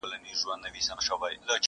• خو بدلون ورو روان دی تل,